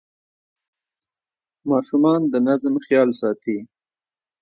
ماشومان د نظم خیال ساتي.